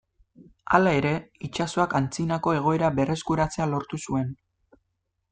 Hala ere, itsasoak antzinako egoera berreskuratzea lortu zuen.